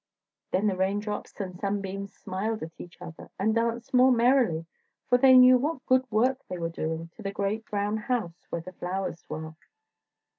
Then the Raindrops and Sunbeams smiled at each other, and danced more merrily, for they knew what good work they were doing to the great brown house where the flowers dwell.